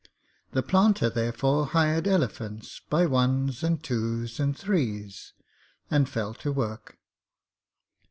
The planter, therefore, hired elephants by ones and twos and threes, and fell to work.